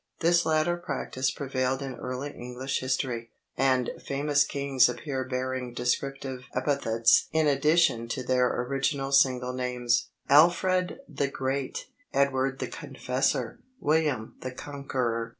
This latter practice prevailed in early English history, and famous kings appear bearing descriptive epithets in addition to their original single names Alfred the Great, Edward the Confessor, William the Conqueror.